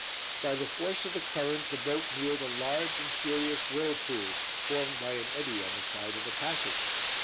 By the force of the current, the boat neared a large and furious whirlpool, formed by an eddy on the side of the passage.